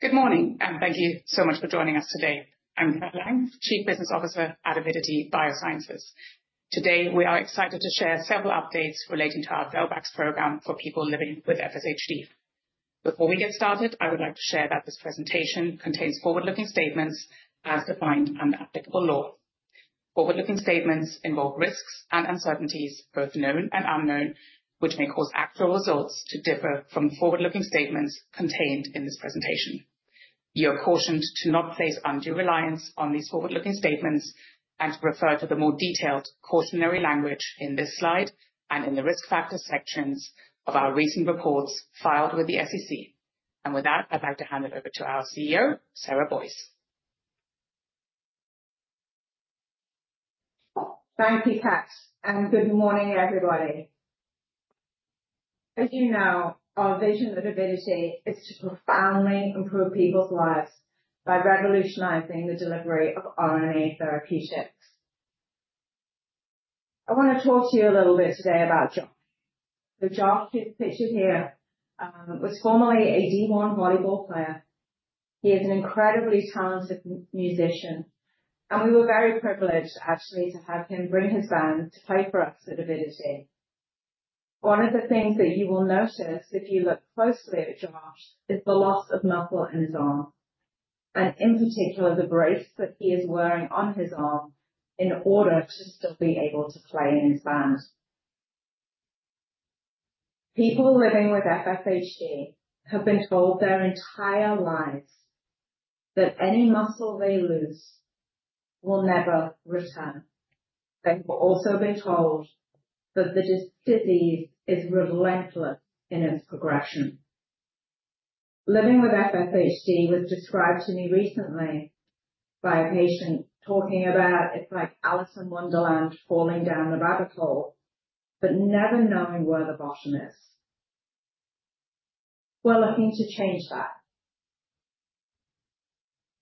Good morning, and thank you so much for joining us today. I'm Kat Lange, Chief Business Officer at Avidity Biosciences. Today, we are excited to share several updates relating to our Delvotax program for people living with FSHD. Before we get started, I would like to share that this presentation contains forward-looking statements as defined under applicable law. Forward-looking statements involve risks and uncertainties, both known and unknown, which may cause actual results to differ from the forward-looking statements contained in this presentation. You are cautioned to not place undue reliance on these forward-looking statements and to refer to the more detailed cautionary language in this slide and in the risk factor sections of our recent reports filed with the SEC. With that, I'd like to hand it over to our CEO, Sarah Boyce. Thank you, Kate, and good morning, everybody. As you know, our vision at Avidity is to profoundly improve people's lives by revolutionizing the delivery of RNA therapeutics. I want to talk to you a little bit today about Josh. The Josh pictured here was formerly a D1 volleyball player. He is an incredibly talented musician, and we were very privileged, actually, to have him bring his band to play for us at Avidity. One of the things that you will notice if you look closely at Josh is the loss of muscle in his arm, and in particular, the brace that he is wearing on his arm in order to still be able to play in his band. People living with FSHD have been told their entire lives that any muscle they lose will never return. They've also been told that the disease is relentless in its progression. Living with FSHD was described to me recently by a patient talking about it's like Alice in Wonderland falling down the rabbit hole, but never knowing where the bottom is. We're looking to change that.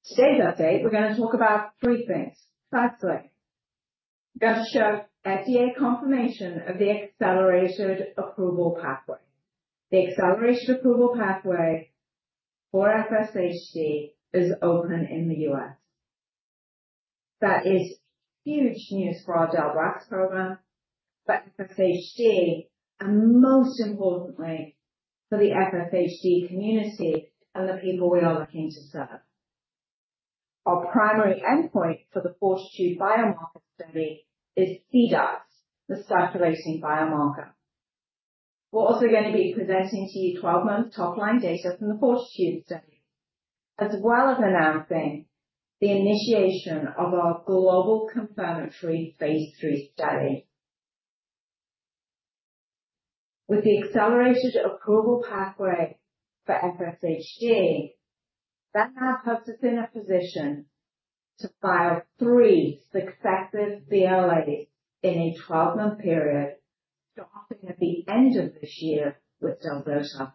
Today's update, we're going to talk about three things. Firstly, we're going to show FDA confirmation of the accelerated approval pathway. The accelerated approval pathway for FSHD is open in the U.S. That is huge news for our Delvotax program, for FSHD, and most importantly, for the FSHD community and the people we are looking to serve. Our primary endpoint for the Fortitude biomarker study is CDUX, the circulating biomarker. We're also going to be presenting to you 12-month top-line data from the Fortitude study, as well as announcing the initiation of our global confirmatory phase III study. With the accelerated approval pathway for FSHD, that now puts us in a position to file three successive BLAs in a 12-month period, starting at the end of this year with Delvotax.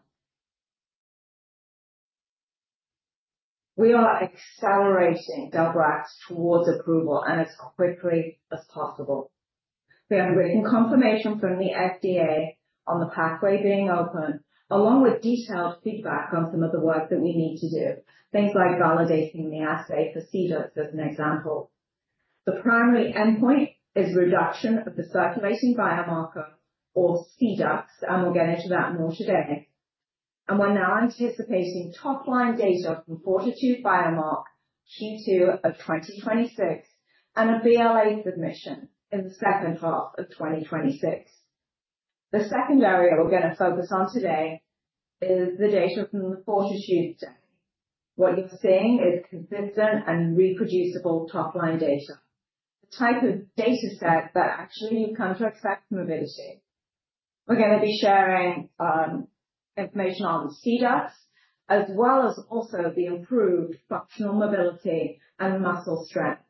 We are accelerating Delvotax towards approval as quickly as possible. We have written confirmation from the FDA on the pathway being open, along with detailed feedback on some of the work that we need to do, things like validating the assay for CDUX, as an example. The primary endpoint is reduction of the circulating biomarker, or CDUX, and we'll get into that more today. We are now anticipating top-line data from Fortitude biomark Q2 of 2026 and a BLA submission in the second half of 2026. The second area we're going to focus on today is the data from the Fortitude study. What you're seeing is consistent and reproducible top-line data, the type of data set that actually you've come to expect from Avidity. We're going to be sharing information on CDUX, as well as also the improved functional mobility and muscle strength,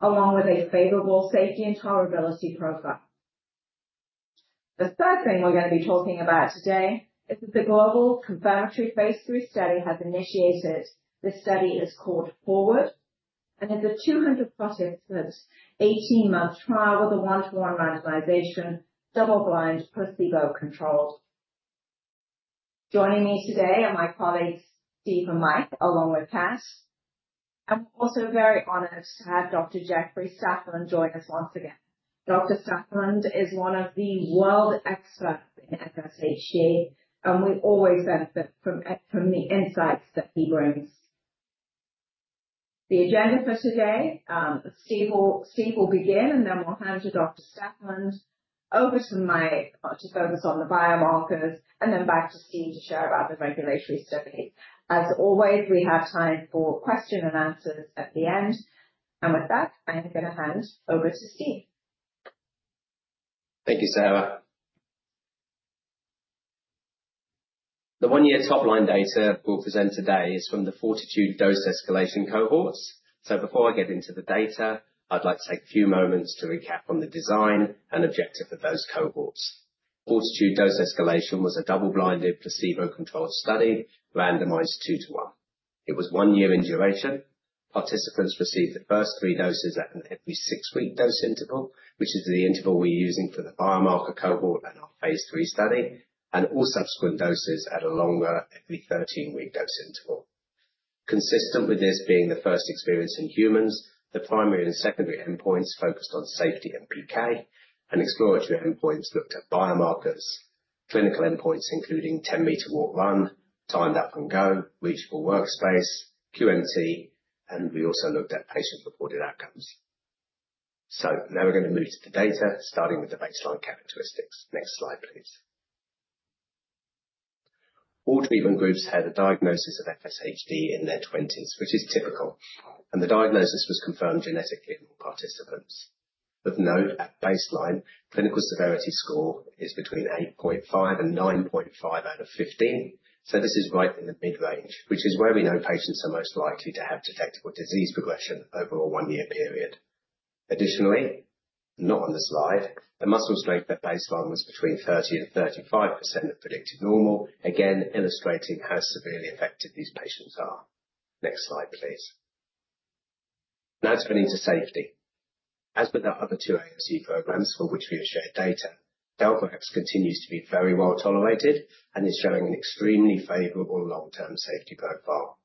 along with a favorable safety and tolerability profile. The third thing we're going to be talking about today is that the global confirmatory phase three study has initiated. This study is called Forward, and it's a 200-part effort, 18-month trial with a one-to-one randomization, double-blind, placebo-controlled. Joining me today are my colleagues, Steve and Mike, along with Kat. We are also very honored to have Dr. Jeffrey Stafford join us once again. Dr. Stafford is one of the world experts in FSHD, and we always benefit from the insights that he brings. The agenda for today, Steve will begin, and then we'll hand to Dr. Stafford over to Mike to focus on the biomarkers, and then back to Steve to share about the regulatory study As always, we have time for questions and answers at the end. With that, I'm going to hand over to Steve. Thank you, Sarah. The one-year top-line data we'll present today is from the Fortitude dose escalation cohorts. Before I get into the data, I'd like to take a few moments to recap on the design and objective of those cohorts. Fortitude dose escalation was a double-blinded, placebo-controlled study randomized two-to-one. It was one year in duration. Participants received the first three doses at an every six-week dose interval, which is the interval we're using for the biomarker cohort and our phase three study, and all subsequent doses at a longer, every 13-week dose interval. Consistent with this being the first experience in humans, the primary and secondary endpoints focused on safety and PK, and exploratory endpoints looked at biomarkers. Clinical endpoints included 10-meter walk run, timed up and go, reachable workspace, QMT, and we also looked at patient-reported outcomes. Now we're going to move to the data, starting with the baseline characteristics. Next slide, please. All treatment groups had a diagnosis of FSHD in their twenties, which is typical, and the diagnosis was confirmed genetically among participants. Of note, at baseline, clinical severity score is between 8.5-9.5 out of 15, so this is right in the mid-range, which is where we know patients are most likely to have detectable disease progression over a one-year period. Additionally, not on the slide, the muscle strength at baseline was between 30-35% of predicted normal, again illustrating how severely affected these patients are. Next slide, please. Now turning to safety. As with our other two AOC programs for which we have shared data, Delvotax continues to be very well tolerated and is showing an extremely favorable long-term safety profile.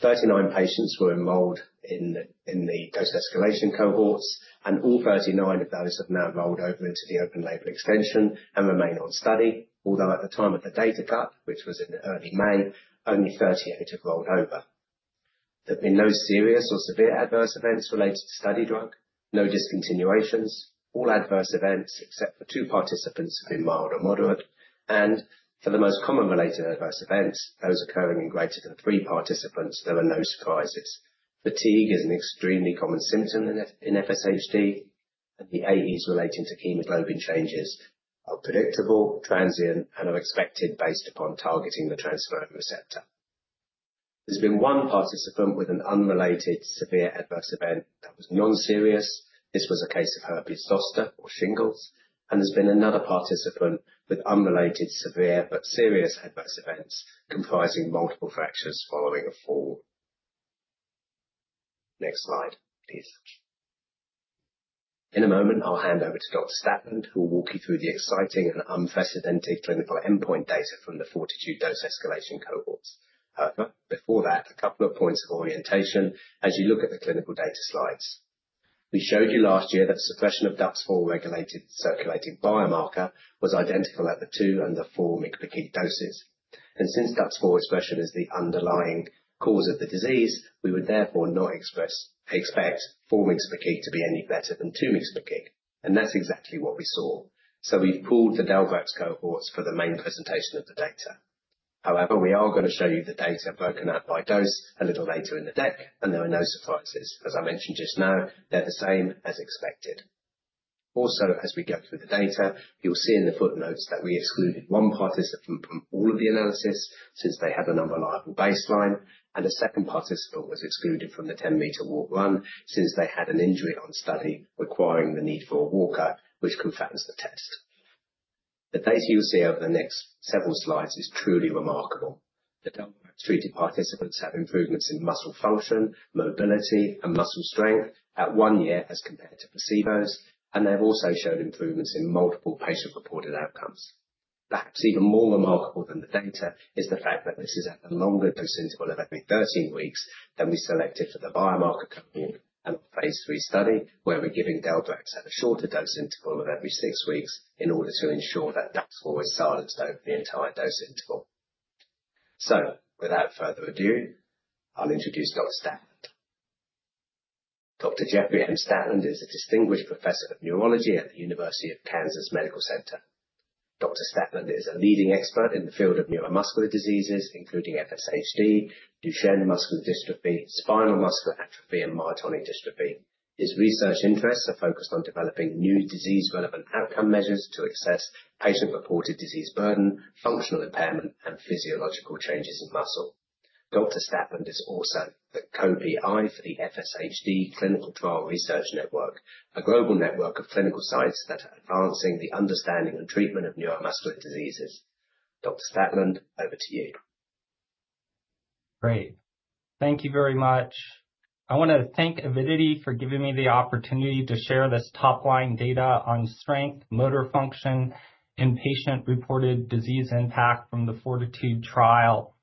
Thirty-nine patients were enrolled in the dose escalation cohorts, and all thirty-nine of those have now rolled over into the open label extension and remain on study, although at the time of the data cut, which was in early May, only thirty-eight have rolled over. There have been no serious or severe adverse events related to study drug, no discontinuations, all adverse events except for two participants have been mild or moderate, and for the most common related adverse events, those occurring in greater than three participants, there were no surprises. Fatigue is an extremely common symptom in FSHD, and the AEs relating to hemoglobin changes are predictable, transient, and are expected based upon targeting the transferrin receptor. There has been one participant with an unrelated severe adverse event that was non-serious. This was a case of herpes zoster or shingles, and there's been another participant with unrelated severe but serious adverse events comprising multiple fractures following a fall. Next slide, please. In a moment, I'll hand over to Dr. Stafford, who will walk you through the exciting and unprecedented clinical endpoint data from the Fortitude dose escalation cohorts. However, before that, a couple of points of orientation as you look at the clinical data slides. We showed you last year that suppression of DUX4-regulated circulating biomarker was identical at the two and the four-mg/kg doses. And since DUX4 expression is the underlying cause of the disease, we would therefore not expect four-mg/kg to be any better than two-mg/kg, and that's exactly what we saw. So we've pooled the Delvotax cohorts for the main presentation of the data. However, we are going to show you the data broken out by dose a little later in the deck, and there are no surprises. As I mentioned just now, they're the same as expected. Also, as we go through the data, you'll see in the footnotes that we excluded one participant from all of the analysis since they had an unreliable baseline, and a second participant was excluded from the 10-meter walk run since they had an injury on study requiring the need for a walker, which confirms the test. The data you'll see over the next several slides is truly remarkable. The treated participants have improvements in muscle function, mobility, and muscle strength at one year as compared to placebos, and they've also showed improvements in multiple patient-reported outcomes. Perhaps even more remarkable than the data is the fact that this is at a longer dose interval of every 13 weeks than we selected for the biomarker cohort and our phase three study, where we're giving Delvotax at a shorter dose interval of every six weeks in order to ensure that DUX4 is silenced over the entire dose interval. Without further ado, I'll introduce Dr. Stafford. Dr. Jeffrey M. Stafford is a distinguished professor of neurology at the University of Kansas Medical Center. Dr. Stafford is a leading expert in the field of neuromuscular diseases, including FSHD, Duchenne muscular dystrophy, spinal muscular atrophy, and myotonic dystrophy. His research interests are focused on developing new disease-relevant outcome measures to assess patient-reported disease burden, functional impairment, and physiological changes in muscle. Dr. Stafford is also the co-PI for the FSHD Clinical Trial Research Network, a global network of clinical science that is advancing the understanding and treatment of neuromuscular diseases. Dr. Stafford, over to you. Great. Thank you very much. I want to thank Avidity for giving me the opportunity to share this top-line data on strength, motor function, and patient-reported disease impact from the Fortitude trial.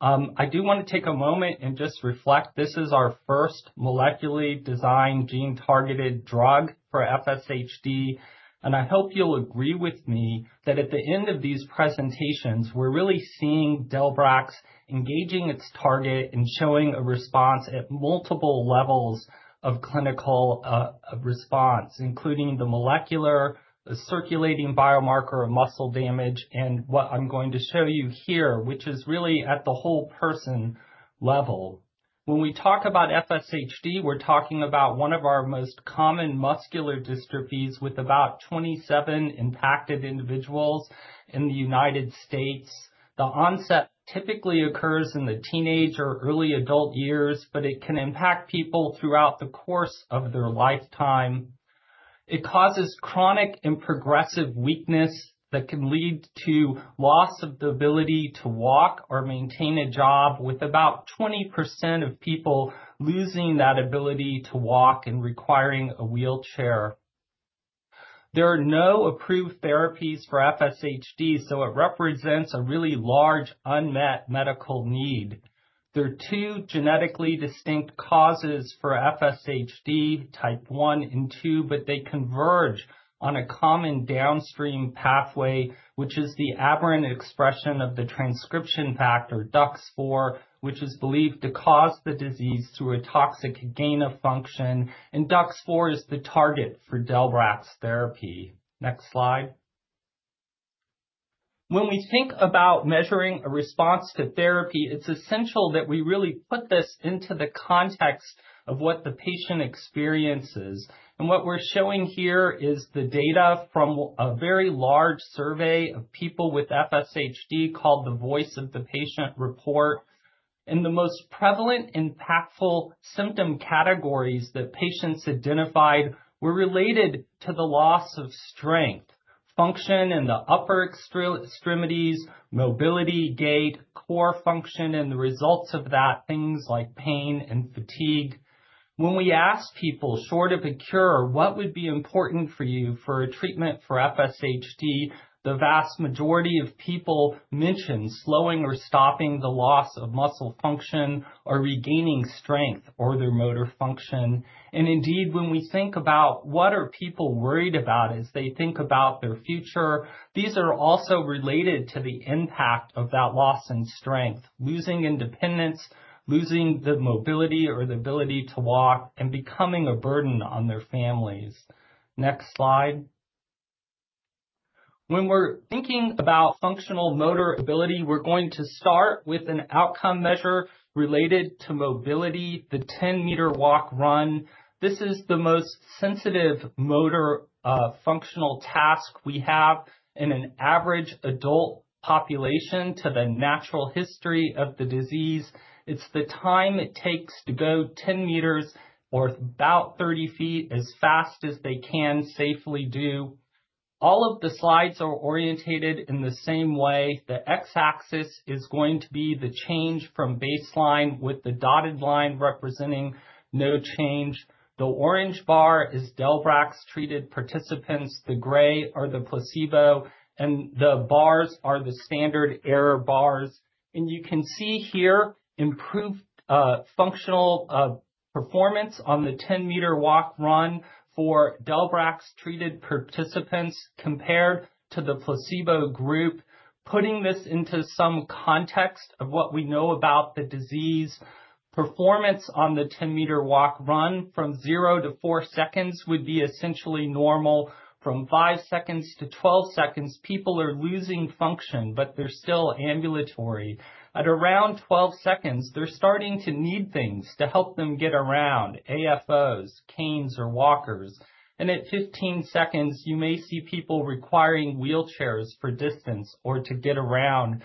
I do want to take a moment and just reflect. This is our first molecularly designed gene-targeted drug for FSHD, and I hope you'll agree with me that at the end of these presentations, we're really seeing Delvotax engaging its target and showing a response at multiple levels of clinical response, including the molecular, the circulating biomarker of muscle damage, and what I'm going to show you here, which is really at the whole person level. When we talk about FSHD, we're talking about one of our most common muscular dystrophies with about 27 impacted individuals in the United States. The onset typically occurs in the teenage or early adult years, but it can impact people throughout the course of their lifetime. It causes chronic and progressive weakness that can lead to loss of the ability to walk or maintain a job, with about 20% of people losing that ability to walk and requiring a wheelchair. There are no approved therapies for FSHD, so it represents a really large unmet medical need. There are two genetically distinct causes for FSHD, type-1 and type-2, but they converge on a common downstream pathway, which is the aberrant expression of the transcription factor, DUX4, which is believed to cause the disease through a toxic gain of function, and DUX4 is the target for Delvotax therapy. Next slide. When we think about measuring a response to therapy, it's essential that we really put this into the context of what the patient experiences. What we're showing here is the data from a very large survey of people with FSHD called the Voice of the Patient Report. The most prevalent impactful symptom categories that patients identified were related to the loss of strength, function in the upper extremities, mobility, gait, core function, and the results of that, things like pain and fatigue. When we ask people short of a cure, what would be important for you for a treatment for FSHD, the vast majority of people mention slowing or stopping the loss of muscle function or regaining strength or their motor function. Indeed, when we think about what people are worried about as they think about their future, these are also related to the impact of that loss in strength, losing independence, losing the mobility or the ability to walk, and becoming a burden on their families. Next slide. When we're thinking about functional motor ability, we're going to start with an outcome measure related to mobility, the 10-meter walk run. This is the most sensitive motor functional task we have in an average adult population to the natural history of the disease. It's the time it takes to go 10 meters or about 30 feet as fast as they can safely do. All of the slides are orientated in the same way. The x-axis is going to be the change from baseline, with the dotted line representing no change. The orange bar is Delvotax treated participants. The gray are the placebo, and the bars are the standard error bars. You can see here improved functional performance on the 10-meter walk run for Delvotax treated participants compared to the placebo group. Putting this into some context of what we know about the disease, performance on the 10-meter walk run from zero to four seconds would be essentially normal. From five secs-12 secs, people are losing function, but they're still ambulatory. At around 12 secs, they're starting to need things to help them get around, AFOs, canes, or walkers. At 15 secs, you may see people requiring wheelchairs for distance or to get around.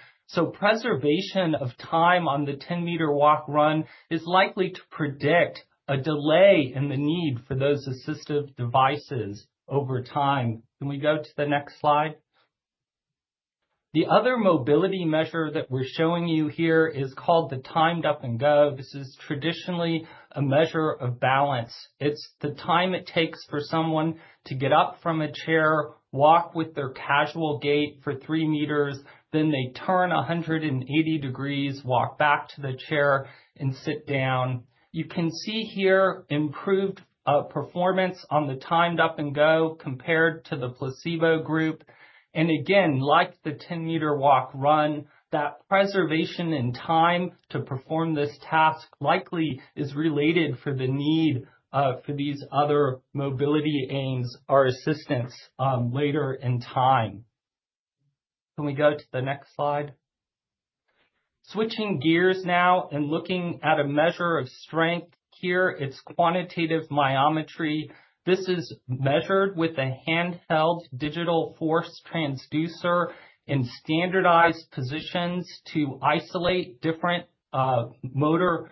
Preservation of time on the 10-meter walk run is likely to predict a delay in the need for those assistive devices over time. Can we go to the next slide? The other mobility measure that we're showing you here is called the timed up and go. This is traditionally a measure of balance. It's the time it takes for someone to get up from a chair, walk with their casual gait for 3 meters, then they turn 180 degrees, walk back to the chair, and sit down. You can see here improved performance on the timed up and go compared to the placebo group. Again, like the 10-meter walk run, that preservation in time to perform this task likely is related for the need for these other mobility aids or assistance later in time. Can we go to the next slide? Switching gears now and looking at a measure of strength here, it's quantitative myometry. This is measured with a handheld digital force transducer in standardized positions to isolate different motor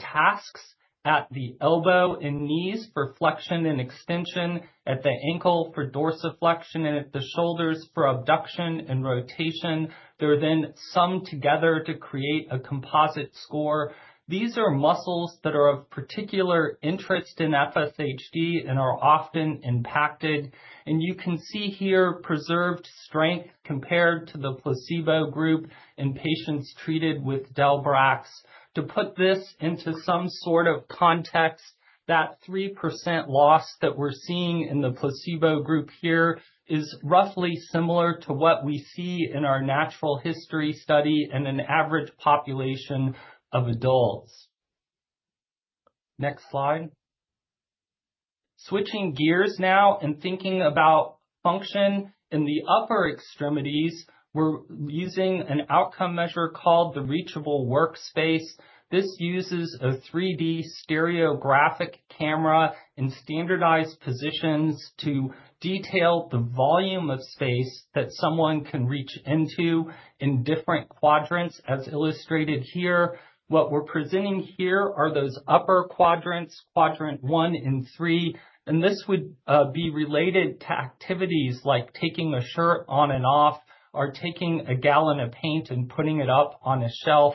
tasks at the elbow and knees for flexion and extension, at the ankle for dorsiflexion, and at the shoulders for abduction and rotation. They're then summed together to create a composite score. These are muscles that are of particular interest in FSHD and are often impacted. You can see here preserved strength compared to the placebo group in patients treated with Delvotax. To put this into some sort of context, that 3% loss that we're seeing in the placebo group here is roughly similar to what we see in our natural history study in an average population of adults. Next slide. Switching gears now and thinking about function in the upper extremities, we're using an outcome measure called the reachable workspace. This uses a 3D stereographic camera in standardized positions to detail the volume of space that someone can reach into in different quadrants, as illustrated here. What we're presenting here are those upper quadrants, quadrant one and three. This would be related to activities like taking a shirt on and off or taking a gallon of paint and putting it up on a shelf.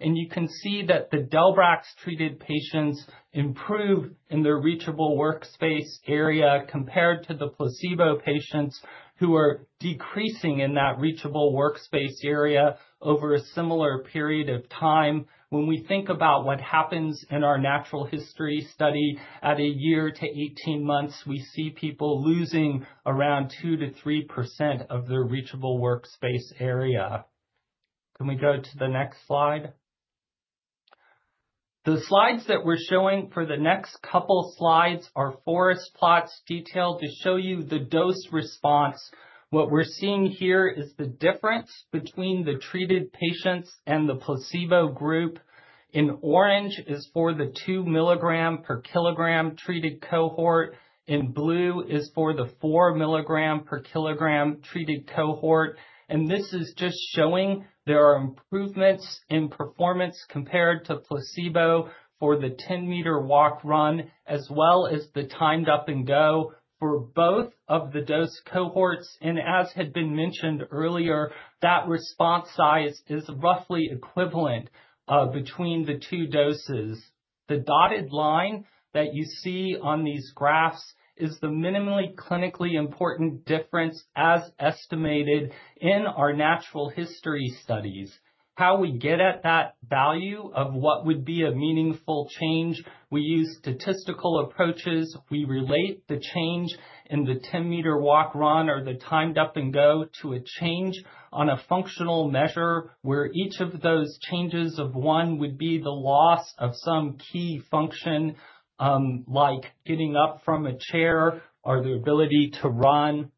You can see that the Delvotax treated patients improve in their reachable workspace area compared to the placebo patients who are decreasing in that reachable workspace area over a similar period of time. When we think about what happens in our natural history study, at a year to 18 months, we see people losing around 2%-3% of their reachable workspace area. Can we go to the next slide? The slides that we are showing for the next couple of slides are Forrest plots detailed to show you the dose response. What we are seeing here is the difference between the treated patients and the placebo group. In orange is for the 2 milligram per kilogram treated cohort. In blue is for the 4 milligram per kilogram treated cohort. This is just showing there are improvements in performance compared to placebo for the 10-meter walk run, as well as the timed up and go for both of the dose cohorts. As had been mentioned earlier, that response size is roughly equivalent between the two doses. The dotted line that you see on these graphs is the minimally clinically important difference as estimated in our natural history studies. How we get at that value of what would be a meaningful change, we use statistical approaches. We relate the change in the 10-meter walk run or the timed up and go to a change on a functional measure where each of those changes of one would be the loss of some key function, like getting up from a chair or the ability to run.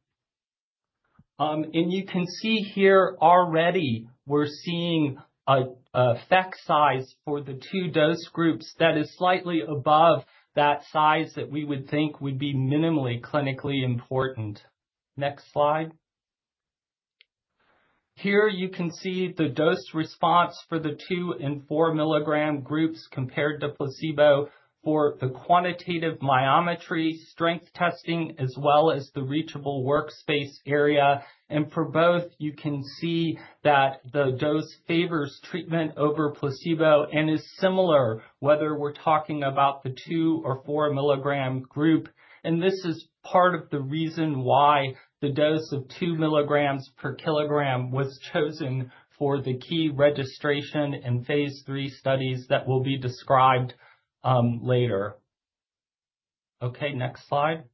You can see here already we're seeing an effect size for the two dose groups that is slightly above that size that we would think would be minimally clinically important. Next slide. Here you can see the dose response for the 2 and 4 milligram groups compared to placebo for the quantitative myometry strength testing, as well as the reachable workspace area. For both, you can see that the dose favors treatment over placebo and is similar whether we're talking about the 2 or 4 milligram group. This is part of the reason why the dose of 2 milligrams per kilogram was chosen for the key registration in phase three studies that will be described later. Next slide.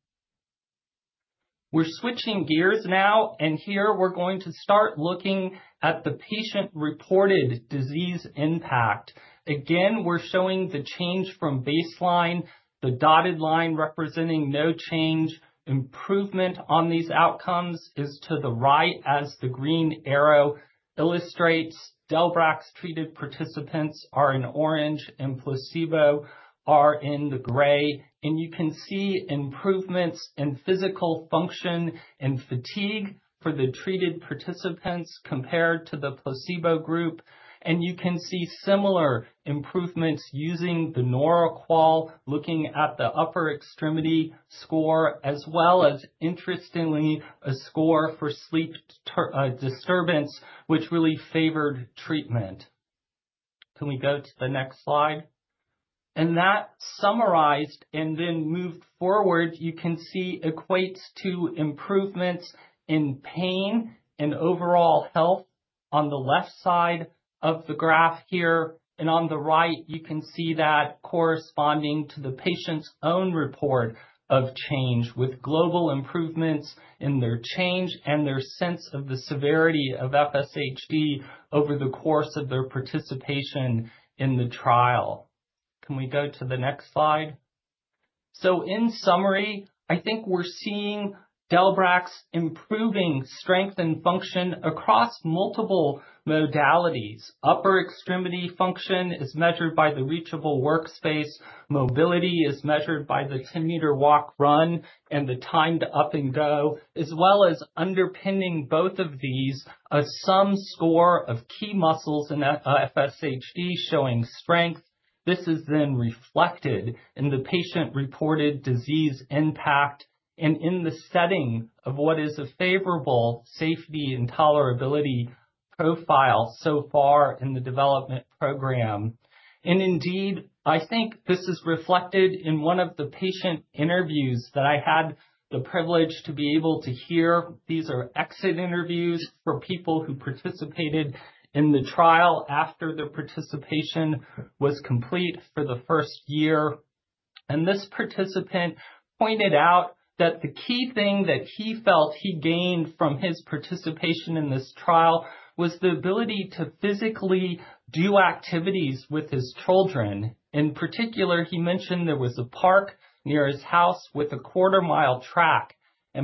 We're switching gears now, and here we're going to start looking at the patient-reported disease impact. Again, we're showing the change from baseline, the dotted line representing no change. Improvement on these outcomes is to the right, as the green arrow illustrates. Delvotax treated participants are in orange, and placebo are in the gray. You can see improvements in physical function and fatigue for the treated participants compared to the placebo group. You can see similar improvements using the NorAQUAL, looking at the upper extremity score, as well as, interestingly, a score for sleep disturbance, which really favored treatment. Can we go to the next slide? That summarized and then moved forward, you can see equates to improvements in pain and overall health on the left side of the graph here. On the right, you can see that corresponding to the patient's own report of change with global improvements in their change and their sense of the severity of FSHD over the course of their participation in the trial. Can we go to the next slide? In summary, I think we're seeing Delvotax improving strength and function across multiple modalities. Upper extremity function is measured by the reachable workspace. Mobility is measured by the 10-meter walk run and the timed up and go, as well as underpinning both of these a sum score of key muscles in FSHD showing strength. This is then reflected in the patient-reported disease impact and in the setting of what is a favorable safety and tolerability profile so far in the development program. Indeed, I think this is reflected in one of the patient interviews that I had the privilege to be able to hear. These are exit interviews for people who participated in the trial after their participation was complete for the first year. This participant pointed out that the key thing that he felt he gained from his participation in this trial was the ability to physically do activities with his children. In particular, he mentioned there was a park near his house with a quarter-mile track.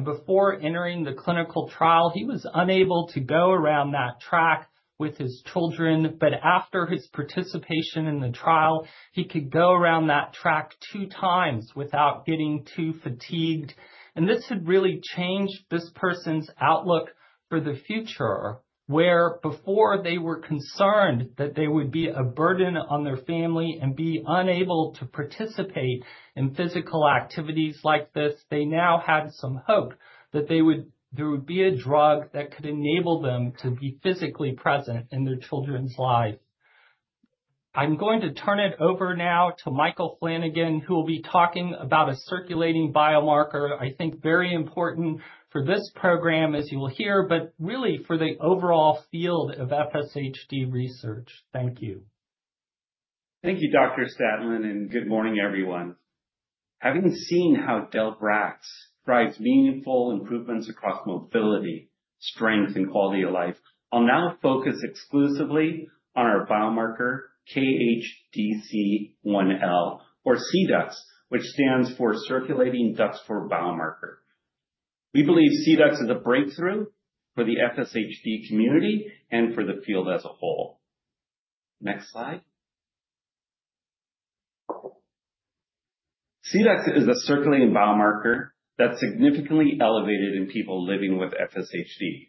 Before entering the clinical trial, he was unable to go around that track with his children. After his participation in the trial, he could go around that track two times without getting too fatigued. This had really changed this person's outlook for the future. Where before they were concerned that they would be a burden on their family and be unable to participate in physical activities like this, they now had some hope that there would be a drug that could enable them to be physically present in their children's lives. I'm going to turn it over now to Michael Flanagan, who will be talking about a circulating biomarker, I think very important for this program, as you will hear, but really for the overall field of FSHD research. Thank you. Thank you, Dr. Stafford, and good morning, everyone. Having seen how Delvotax drives meaningful improvements across mobility, strength, and quality of life, I'll now focus exclusively on our biomarker, KHDC1L, or CDUX, which stands for circulating DUX4-regulated biomarker. We believe CDUX is a breakthrough for the FSHD community and for the field as a whole. Next slide. CDUX is a circulating biomarker that's significantly elevated in people living with FSHD,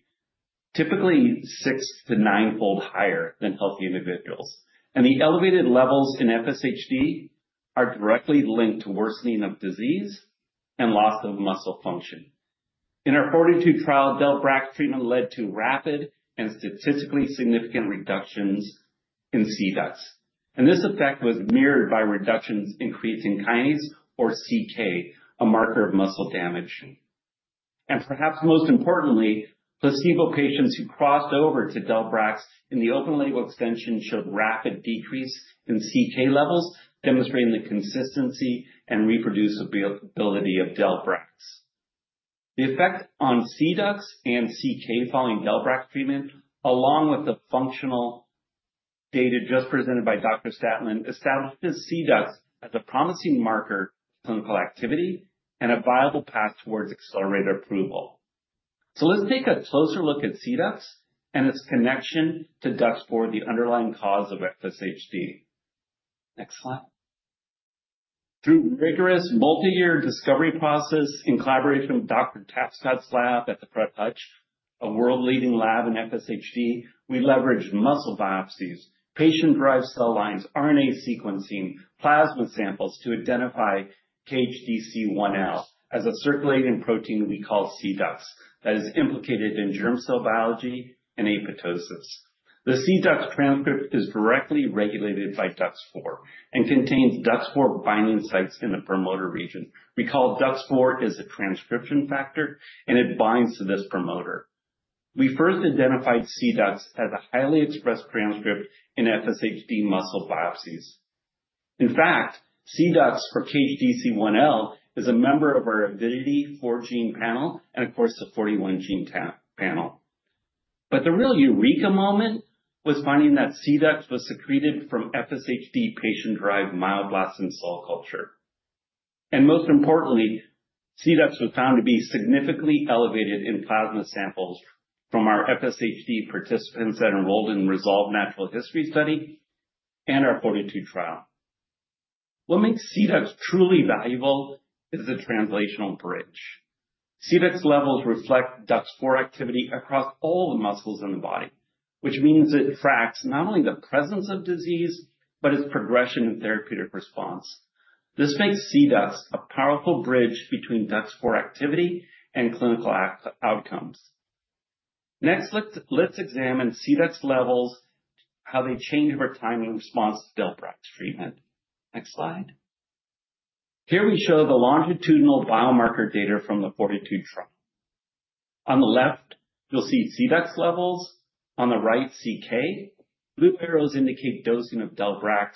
typically six- to nine-fold higher than healthy individuals. The elevated levels in FSHD are directly linked to worsening of disease and loss of muscle function. In our 42 trials, Delvotax treatment led to rapid and statistically significant reductions in CDUX. This effect was mirrored by reductions in creatine kinase, or CK, a marker of muscle damage. Perhaps most importantly, placebo patients who crossed over to Delvotax in the open label extension showed rapid decrease in CK levels, demonstrating the consistency and reproducibility of Delvotax. The effect on CDUX and CK following Delvotax treatment, along with the functional data just presented by Dr. Statlin, established CDUX as a promising marker of clinical activity and a viable path towards accelerated approval. Let's take a closer look at CDUX and its connection to DUX4 for the underlying cause of FSHD. Next slide. Through a rigorous multi-year discovery process in collaboration with Dr. Tapscott's lab at the Fred Hutchinson Cancer Research Center, a world-leading lab in FSHD, we leveraged muscle biopsies, patient-derived cell lines, RNA sequencing, plasma samples to identify KHDC1L as a circulating protein we call CDUX that is implicated in germ cell biology and apoptosis. The CDUX transcript is directly regulated by DUX4 and contains DUX4 binding sites in the promoter region. We call DUX4 a transcription factor, and it binds to this promoter. We first identified CDUX as a highly expressed transcript in FSHD muscle biopsies. In fact, CDUX for KHDC1L is a member of our Avidity 4-gene panel and, of course, the 41-gene panel. The real eureka moment was finding that CDUX was secreted from FSHD patient-derived myoblastin cell culture. Most importantly, CDUX was found to be significantly elevated in plasma samples from our FSHD participants that enrolled in the resolved natural history study and our 42 trial. What makes CDUX truly valuable is the translational bridge. CDUX levels reflect DUX4 activity across all the muscles in the body, which means it tracks not only the presence of disease, but its progression and therapeutic response. This makes CDUX a powerful bridge between DUX4 activity and clinical outcomes. Next, let's examine CDUX levels, how they change over time in response to Delvotax treatment. Next slide. Here we show the longitudinal biomarker data from the 42 trial. On the left, you'll see CDUX levels. On the right, CK. Blue arrows indicate dosing of Delvotax.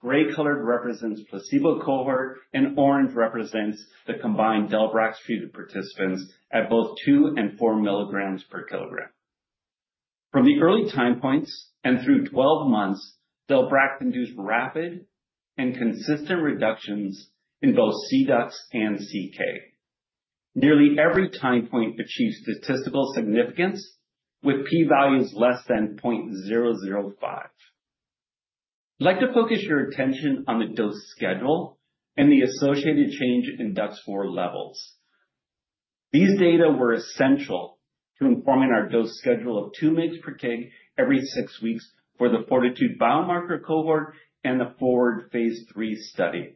Gray colored represents placebo cohort, and orange represents the combined Delvotax treated participants at both 2 and 4 milligrams per kilogram. From the early time points and through 12 months, Delvotax induced rapid and consistent reductions in both CDUX and CK. Nearly every time point achieves statistical significance with p-values less than 0.005. I'd like to focus your attention on the dose schedule and the associated change in DUX4 levels. These data were essential to informing our dose schedule of 2 mg per kg every six weeks for the 42 biomarker cohort and the forward phase 3 study.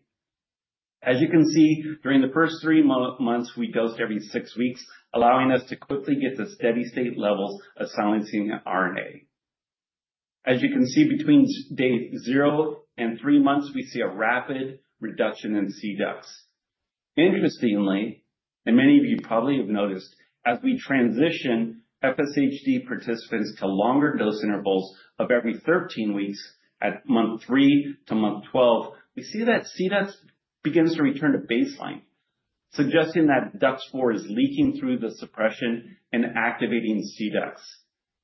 As you can see, during the first three months, we dosed every six weeks, allowing us to quickly get to steady-state levels of silencing RNA. As you can see, between day zero and three months, we see a rapid reduction in CDUX. Interestingly, and many of you probably have noticed, as we transition FSHD participants to longer dose intervals of every 13 weeks at month three to month 12, we see that CDUX begins to return to baseline, suggesting that DUX4 is leaking through the suppression and activating CDUX.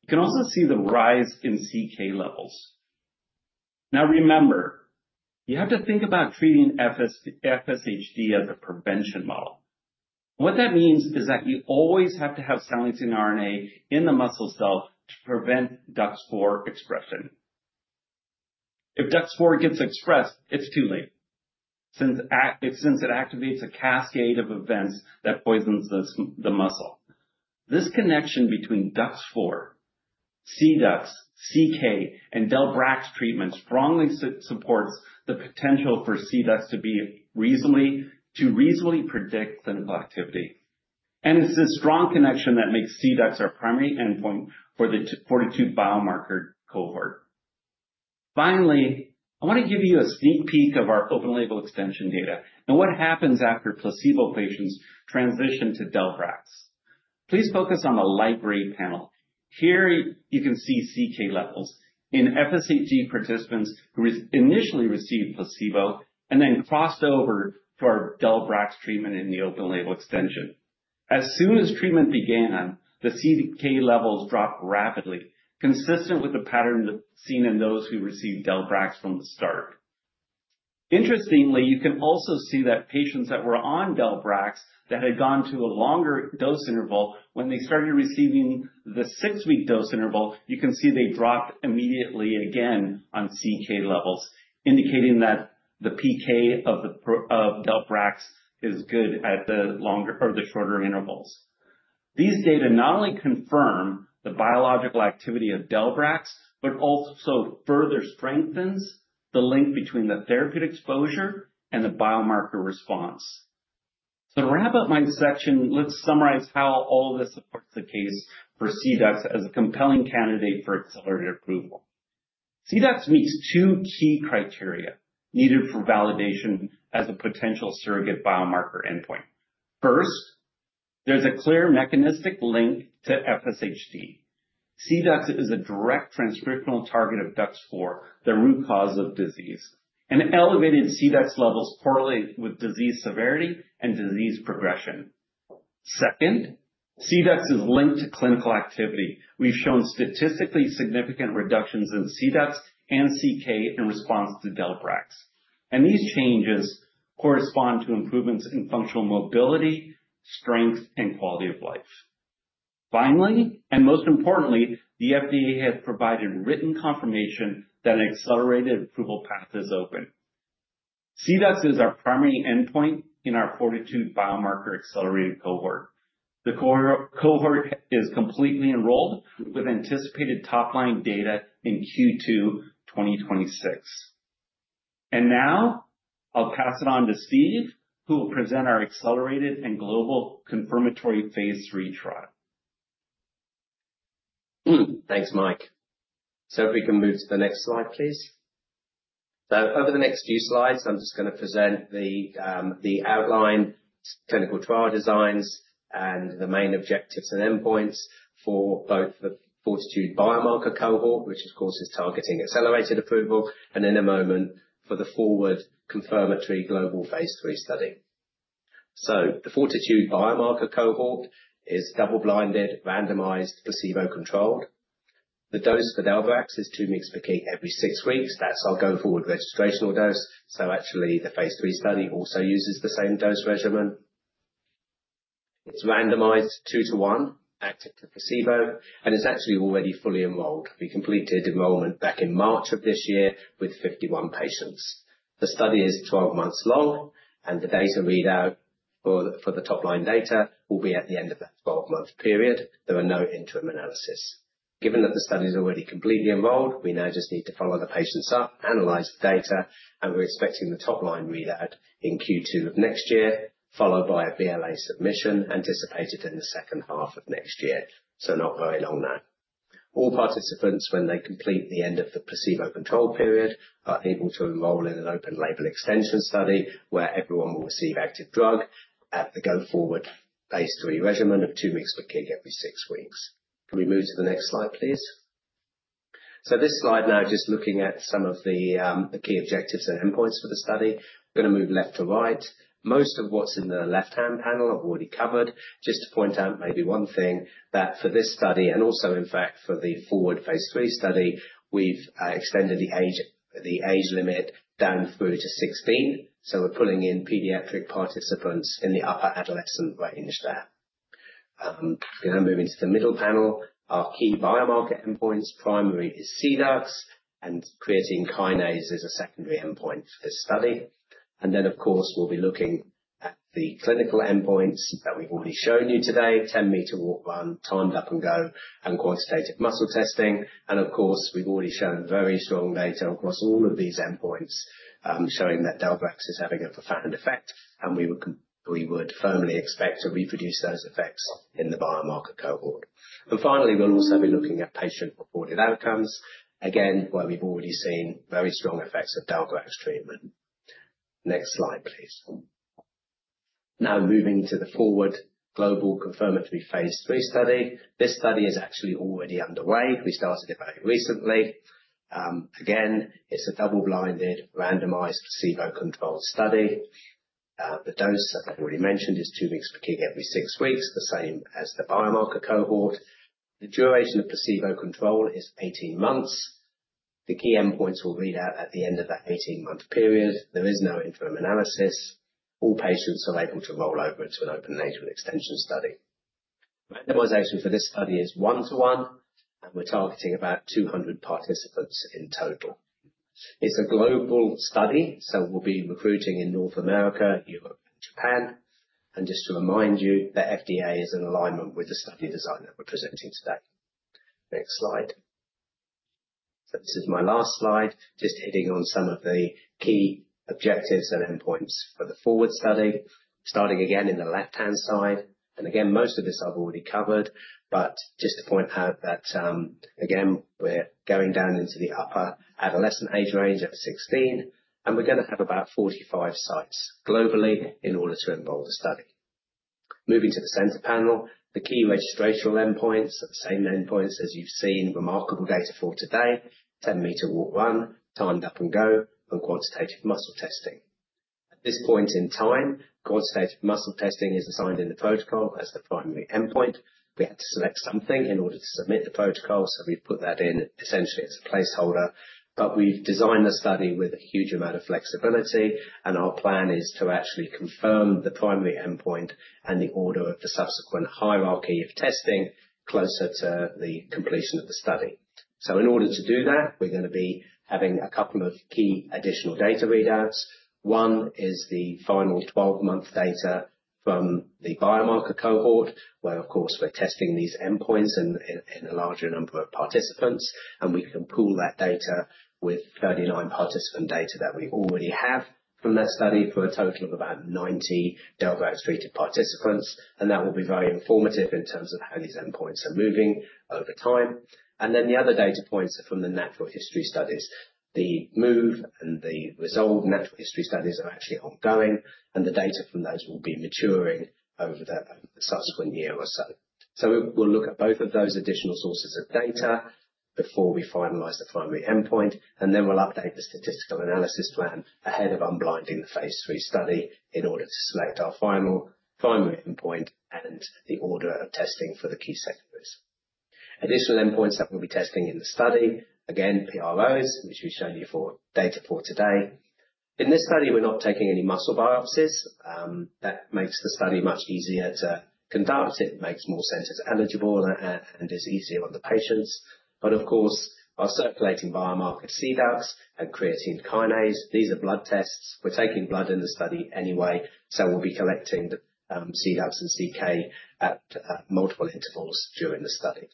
You can also see the rise in CK levels. Now, remember, you have to think about treating FSHD as a prevention model. What that means is that you always have to have silencing RNA in the muscle cell to prevent DUX4 expression. If DUX4 gets expressed, it's too late since it activates a cascade of events that poisons the muscle. This connection between DUX4, CDUX, CK, and Delvotax treatment strongly supports the potential for CDUX to reasonably predict clinical activity. It is this strong connection that makes CDUX our primary endpoint for the 42 biomarker cohort. Finally, I want to give you a sneak peek of our open label extension data and what happens after placebo patients transition to Delvotax. Please focus on the light gray panel. Here you can see CK levels in FSHD participants who initially received placebo and then crossed over to our Delvotax treatment in the open label extension. As soon as treatment began, the CK levels dropped rapidly, consistent with the pattern seen in those who received Delvotax from the start. Interestingly, you can also see that patients that were on Delvotax that had gone to a longer dose interval, when they started receiving the six-week dose interval, you can see they dropped immediately again on CK levels, indicating that the PK of Delvotax is good at the longer or the shorter intervals. These data not only confirm the biological activity of Delvotax, but also further strengthen the link between the therapeutic exposure and the biomarker response. To wrap up my section, let's summarize how all of this supports the case for CDUX as a compelling candidate for accelerated approval. CDUX meets two key criteria needed for validation as a potential surrogate biomarker endpoint. First, there is a clear mechanistic link to FSHD. CDUX is a direct transcriptional target of DUX4, the root cause of disease. Elevated CDUX levels correlate with disease severity and disease progression. Second, CDUX is linked to clinical activity. We have shown statistically significant reductions in CDUX and CK in response to Delvotax. These changes correspond to improvements in functional mobility, strength, and quality of life. Finally, and most importantly, the FDA has provided written confirmation that an accelerated approval path is open. CDUX is our primary endpoint in our 42 biomarker accelerated cohort. The cohort is completely enrolled with anticipated top-line data in Q2 2026. Now I'll pass it on to Steve, who will present our accelerated and global confirmatory phase three trial. Thanks, Mike. If we can move to the next slide, please. Over the next few slides, I'm just going to present the outline, clinical trial designs, and the main objectives and endpoints for both the 42 biomarker cohort, which of course is targeting accelerated approval, and in a moment for the Forward confirmatory global phase three study. The 42 biomarker cohort is double-blinded, randomized, placebo-controlled. The dose for Delvotax is 2 mg per kg every six weeks. That's our go forward registrational dose. Actually, the phase three study also uses the same dose regimen. It's randomized two to one, active to placebo, and it's actually already fully enrolled. We completed enrollment back in March of this year with 51 patients. The study is 12 months long, and the data readout for the top-line data will be at the end of that 12-month period. There are no interim analyses. Given that the study is already completely enrolled, we now just need to follow the patients up, analyze the data, and we're expecting the top-line readout in Q2 of next year, followed by a BLA submission anticipated in the second half of next year. Not very long now. All participants, when they complete the end of the placebo control period, are able to enroll in an open label extension study where everyone will receive active drug at the go forward phase three regimen of 2 mg per kg every six weeks. Can we move to the next slide, please? This slide now just looking at some of the key objectives and endpoints for the study. We're going to move left to right. Most of what's in the left-hand panel I've already covered. Just to point out maybe one thing that for this study, and also in fact for the Forward phase three study, we've extended the age limit down through to 16. We're pulling in pediatric participants in the upper adolescent range there. We're now moving to the middle panel. Our key biomarker endpoints primary is CDUX, and creatine kinase is a secondary endpoint for this study. Then, of course, we'll be looking at the clinical endpoints that we've already shown you today, 10-meter walk run, timed up and go, and quantitative muscle testing. Of course, we've already shown very strong data across all of these endpoints showing that Delvotax is having a profound effect, and we would firmly expect to reproduce those effects in the biomarker cohort. Finally, we'll also be looking at patient-reported outcomes, again, where we've already seen very strong effects of Delvotax treatment. Next slide, please. Now moving to the Forward global confirmatory phase 3 study. This study is actually already underway. We started it very recently. Again, it's a double-blinded, randomized placebo-controlled study. The dose, as I already mentioned, is 2 mg per kg every six weeks, the same as the biomarker cohort. The duration of placebo control is 18 months. The key endpoints will read out at the end of that 18-month period. There is no interim analysis. All patients are able to roll over to an open label extension study. Randomization for this study is one-to-one, and we're targeting about 200 participants in total. It's a global study, so we'll be recruiting in North America, Europe, and Japan. Just to remind you, the FDA is in alignment with the study design that we're presenting today. Next slide. This is my last slide, just hitting on some of the key objectives and endpoints for the Forward study, starting again in the left-hand side. Most of this I've already covered, but just to point out that, again, we're going down into the upper adolescent age range of 16, and we're going to have about 45 sites globally in order to enroll the study. Moving to the center panel, the key registrational endpoints, the same endpoints as you've seen, remarkable data for today, 10-meter walk run, timed up and go, and quantitative muscle testing. At this point in time, quantitative muscle testing is assigned in the protocol as the primary endpoint. We had to select something in order to submit the protocol, so we've put that in essentially as a placeholder. We have designed the study with a huge amount of flexibility, and our plan is to actually confirm the primary endpoint and the order of the subsequent hierarchy of testing closer to the completion of the study. In order to do that, we are going to be having a couple of key additional data readouts. One is the final 12-month data from the biomarker cohort, where, of course, we are testing these endpoints in a larger number of participants, and we can pool that data with 39 participant data that we already have from that study for a total of about 90 Delvotax treated participants. That will be very informative in terms of how these endpoints are moving over time. The other data points are from the natural history studies. The MOVE and the RESOLVE natural history studies are actually ongoing, and the data from those will be maturing over the subsequent year or so. We will look at both of those additional sources of data before we finalize the primary endpoint, and then we will update the statistical analysis plan ahead of unblinding the phase three study in order to select our final primary endpoint and the order of testing for the key sectors. Additional endpoints that we will be testing in the study, again, PROs, which we have shown you data for today. In this study, we are not taking any muscle biopsies. That makes the study much easier to conduct. It makes more centers eligible and is easier on the patients. Of course, our circulating biomarker CDUX and creatine kinase, these are blood tests. We're taking blood in the study anyway, so we'll be collecting the CDUX and CK at multiple intervals during the study.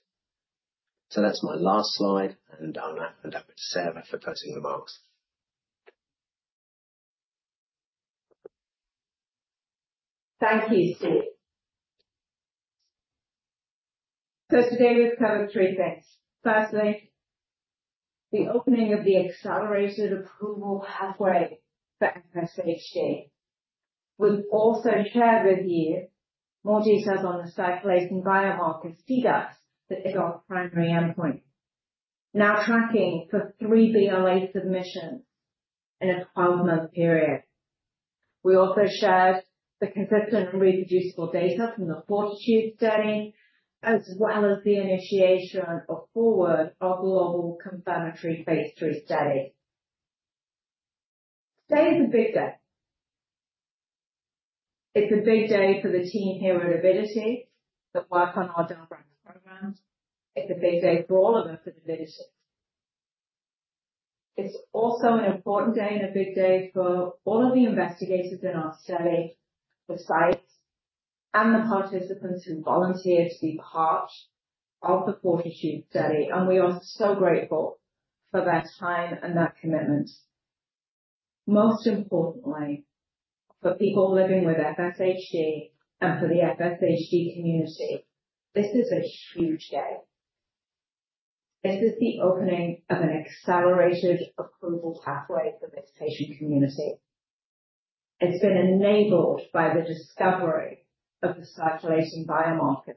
That's my last slide, and I'll now hand over to Sarah for closing remarks. Thank you, Steve. Today we've covered three things. Firstly, the opening of the accelerated approval pathway for FSHD. We've also shared with you more details on the cyclase and biomarker CDUX that is our primary endpoint, now tracking for three BLA submissions in a 12-month period. We also shared the consistent and reproducible data from the 42 study, as well as the initiation of Forward, our global confirmatory phase three study. Today is a big day. It's a big day for the team here at Avidity that work on our Delvotax programs. It's a big day for all of us at Avidity. It's also an important day and a big day for all of the investigators in our study, the sites, and the participants who volunteered to be part of the 42 study. We are so grateful for their time and their commitment. Most importantly, for people living with FSHD and for the FSHD community, this is a huge day. This is the opening of an accelerated approval pathway for this patient community. It's been enabled by the discovery of the CDUX biomarker,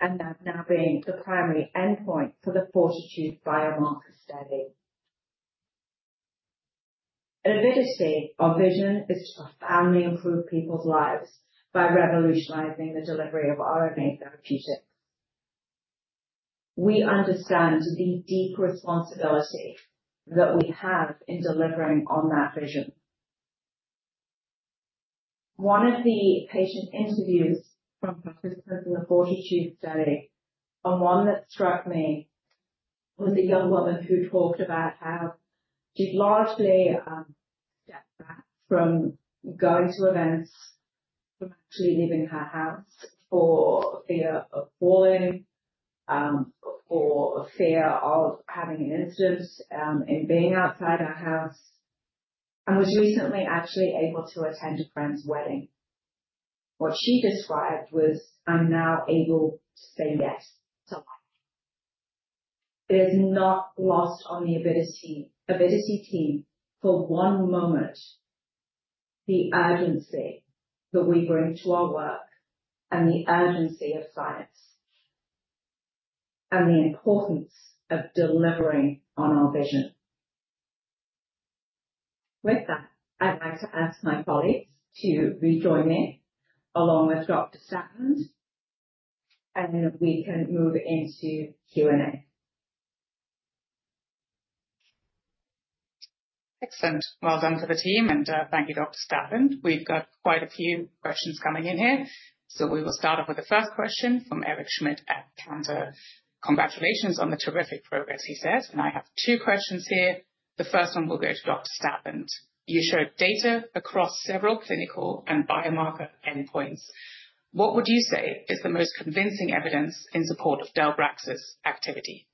and it now being the primary endpoint for the 42 biomarker study. At Avidity, our vision is to profoundly improve people's lives by revolutionizing the delivery of RNA therapeutics. We understand the deep responsibility that we have in delivering on that vision. One of the patient interviews from participants in the 42 study, and one that struck me, was a young woman who talked about how she'd largely stepped back from going to events, from actually leaving her house for fear of falling, for fear of having an incident in being outside her house, and was recently actually able to attend a friend's wedding. What she described was, "I'm now able to say yes to life." It has not lost on the Avidity team for one moment the urgency that we bring to our work, and the urgency of science, and the importance of delivering on our vision. With that, I'd like to ask my colleagues to rejoin me, along with Dr. Stafford, and we can move into Q&A. Excellent. Well done to the team, and thank you, Dr. Stafford. We've got quite a few questions coming in here. We will start off with the first question from Eric Schmidt at Cantor. "Congratulations on the terrific progress," he says, "and I have two questions here. The first one will go to Dr. Stafford. You showed data across several clinical and biomarker endpoints. What would you say is the most convincing evidence in support of Delvotax's activity?"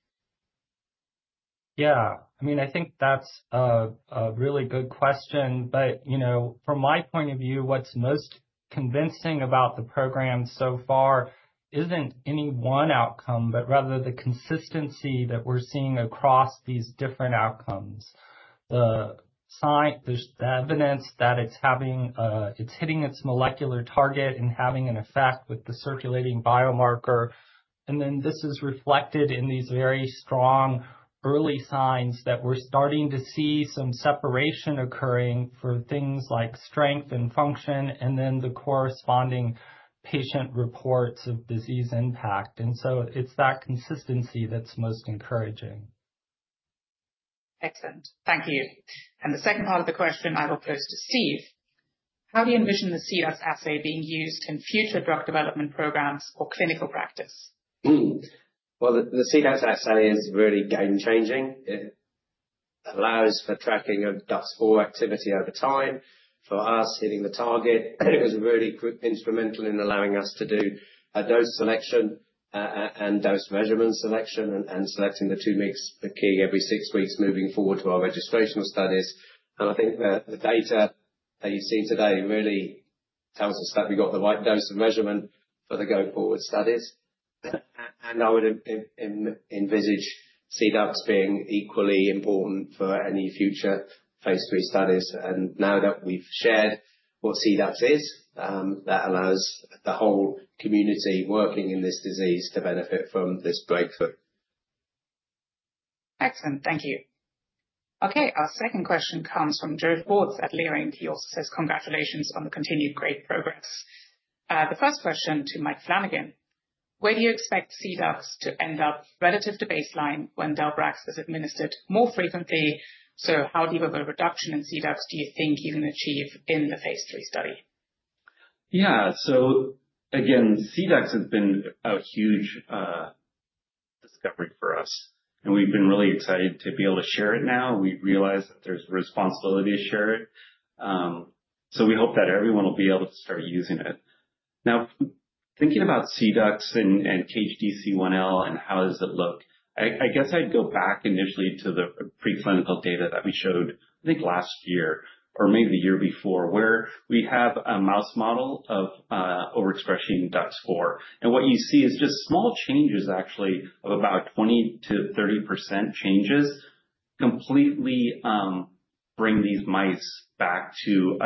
Yeah, I mean, I think that's a really good question, but you know from my point of view, what's most convincing about the program so far isn't any one outcome, but rather the consistency that we're seeing across these different outcomes. The evidence that it's hitting its molecular target and having an effect with the circulating biomarker. This is reflected in these very strong early signs that we're starting to see some separation occurring for things like strength and function, and then the corresponding patient reports of disease impact. It is that consistency that is most encouraging. Excellent. Thank you. The second part of the question I will pose to Steve. "How do you envision the CDUX assay being used in future drug development programs or clinical practice?" The CDUX assay is really game-changing. It allows for tracking of DUX4 activity over time. For us, hitting the target, it was really instrumental in allowing us to do a dose selection and dose measurement selection and selecting the 2 mg per kg every six weeks moving forward to our registrational studies. I think the data that you have seen today really tells us that we have got the right dose of measurement for the go forward studies. I would envisage CDUX being equally important for any future phase three studies. Now that we've shared what CDUX is, that allows the whole community working in this disease to benefit from this breakthrough. Excellent. Thank you. Okay, our second question comes from Jo Wards at Leerink Partners, who says, "Congratulations on the continued great progress." The first question to Michael Flanagan. "Where do you expect CDUX to end up relative to baseline when Delvotax is administered more frequently? So how deep of a reduction in CDUX do you think you can achieve in the phase three study?" Yeah, CDUX has been a huge discovery for us, and we've been really excited to be able to share it now. We realize that there's a responsibility to share it. We hope that everyone will be able to start using it. Now, thinking about CDUX and KHDC1L, how does it look? I guess I'd go back initially to the preclinical data that we showed, I think, last year or maybe the year before, where we have a mouse model of overexpressing DUX4. What you see is just small changes, actually, of about 20-30% changes completely bring these mice back to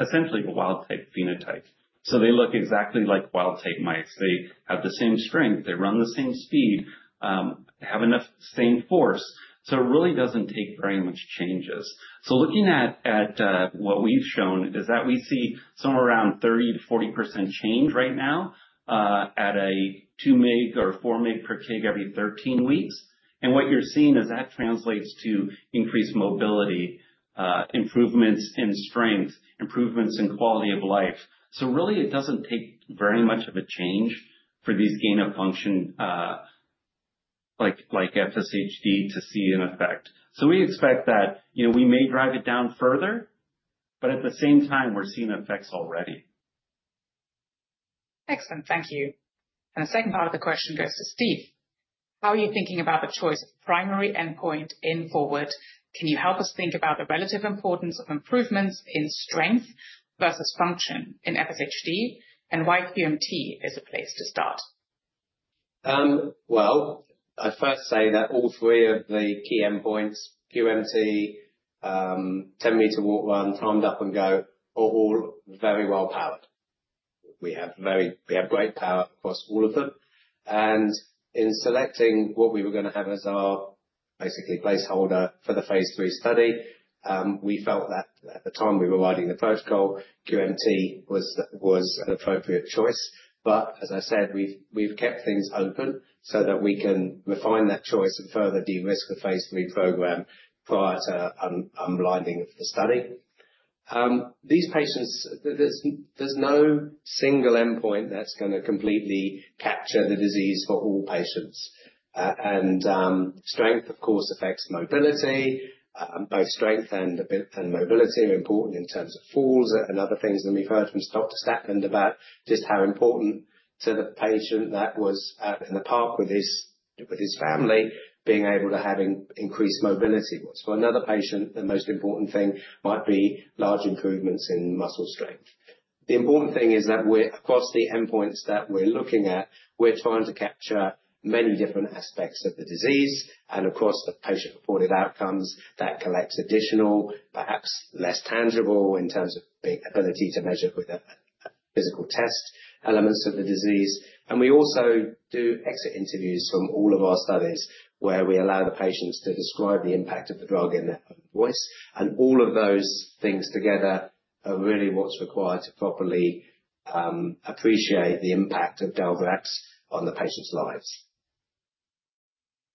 essentially a wild type phenotype. They look exactly like wild type mice. They have the same strength, they run the same speed, have the same force. It really doesn't take very much changes. Looking at what we've shown is that we see somewhere around 30-40% change right now at a 2 mg or 4 mg per kg every 13 weeks. What you're seeing is that translates to increased mobility, improvements in strength, improvements in quality of life. Really, it doesn't take very much of a change for these gain of function like FSHD to see an effect. We expect that we may drive it down further, but at the same time, we're seeing effects already Excellent. Thank you. The second part of the question goes to Steve. "How are you thinking about the choice of primary endpoint in Forward? Can you help us think about the relative importance of improvements in strength versus function in FSHD, and why QMT is a place to start?" I'd first say that all three of the key endpoints, QMT, 10-meter walk run, timed up and go, are all very well powered. We have great power across all of them. In selecting what we were going to have as our basically placeholder for the phase three study, we felt that at the time we were writing the protocol, QMT was an appropriate choice. As I said, we've kept things open so that we can refine that choice and further de-risk the phase three program prior to unblinding of the study. There's no single endpoint that's going to completely capture the disease for all patients. Strength, of course, affects mobility. Both strength and mobility are important in terms of falls and other things. We've heard from Dr. Stafford about just how important to the patient that was in the park with his family being able to have increased mobility. For another patient, the most important thing might be large improvements in muscle strength. The important thing is that across the endpoints that we're looking at, we're trying to capture many different aspects of the disease. Across the patient-reported outcomes, that collects additional, perhaps less tangible in terms of ability to measure with a physical test, elements of the disease. We also do exit interviews from all of our studies where we allow the patients to describe the impact of the drug in their own voice. All of those things together are really what's required to properly appreciate the impact of Delvotax on the patient's lives.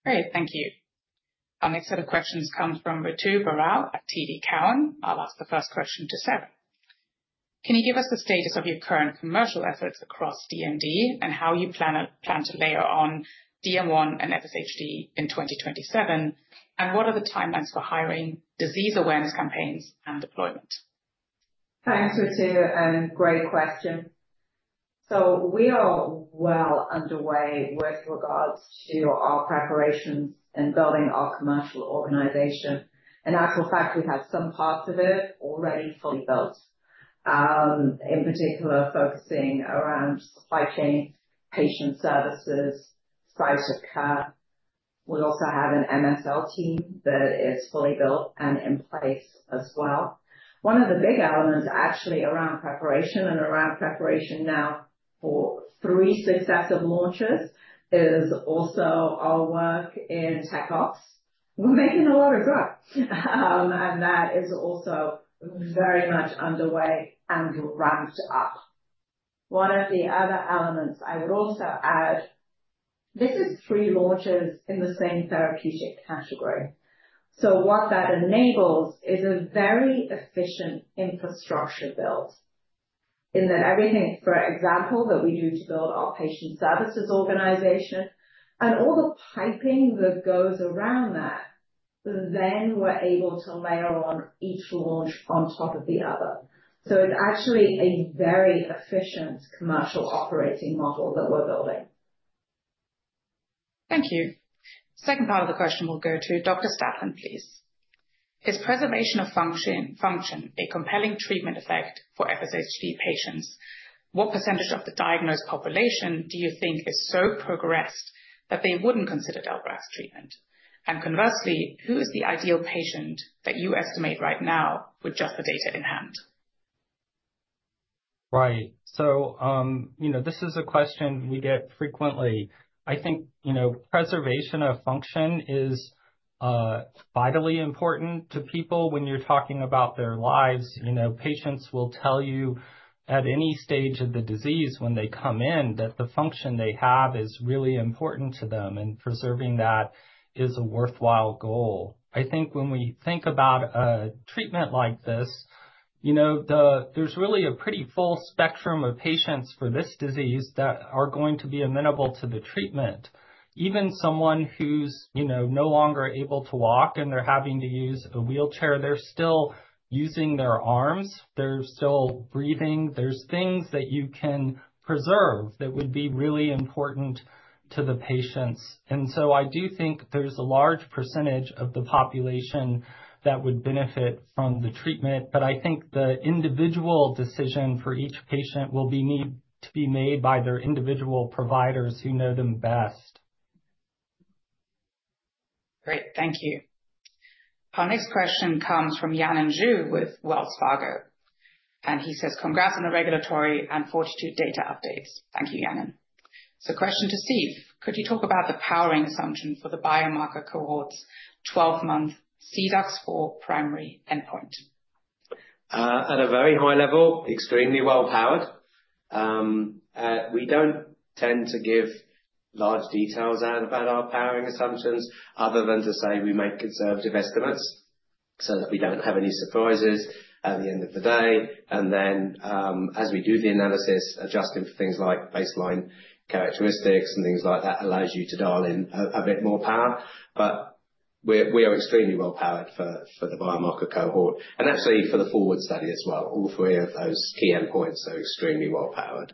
Great. Thank you. Our next set of questions comes from Ritu Barooah at TD Cowen. I'll ask the first question to Sarah. "Can you give us the status of your current commercial efforts across DMD and how you plan to layer on DM1 and FSHD in 2027? What are the timelines for hiring, disease awareness campaigns, and deployment? Thanks, Ritu. Great question. We are well underway with regards to our preparations and building our commercial organization. In actual fact, we have some parts of it already fully built, in particular focusing around supply chain, patient services, site of care. We also have an MSL team that is fully built and in place as well. One of the big elements actually around preparation and around preparation now for three successive launches is also our work in tech ops. We're making a lot of drug, and that is also very much underway and ramped up. One of the other elements I would also add, this is three launches in the same therapeutic category. What that enables is a very efficient infrastructure build in that everything, for example, that we do to build our patient services organization and all the piping that goes around that, then we're able to layer on each launch on top of the other. It is actually a very efficient commercial operating model that we're building. Thank you. Second part of the question will go to Dr. Stafford, please. "Is preservation of function a compelling treatment effect for FSHD patients? What percentage of the diagnosed population do you think is so progressed that they wouldn't consider Delvotax treatment? And conversely, who is the ideal patient that you estimate right now with just the data in hand?" Right. This is a question we get frequently. I think preservation of function is vitally important to people when you're talking about their lives. Patients will tell you at any stage of the disease when they come in that the function they have is really important to them, and preserving that is a worthwhile goal. I think when we think about a treatment like this, there's really a pretty full spectrum of patients for this disease that are going to be amenable to the treatment. Even someone who's no longer able to walk and they're having to use a wheelchair, they're still using their arms. They're still breathing. There are things that you can preserve that would be really important to the patients. I do think there's a large percentage of the population that would benefit from the treatment, but I think the individual decision for each patient will need to be made by their individual providers who know them best. Great. Thank you. Our next question comes from Yannon Ju with Wells Fargo. And he says, "Congrats on the regulatory and 42 data updates." Thank you, Yannon. So question to Steve. "Could you talk about the powering assumption for the biomarker cohort's 12-month CDUX primary endpoint?" At a very high level, extremely well powered. We do not tend to give large details out about our powering assumptions other than to say we make conservative estimates so that we do not have any surprises at the end of the day. As we do the analysis, adjusting for things like baseline characteristics and things like that allows you to dial in a bit more power. We are extremely well powered for the biomarker cohort and actually for the Forward study as well. All three of those key endpoints are extremely well powered.